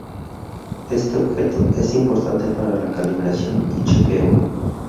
Este objeto es importante para la calibración y chequeo.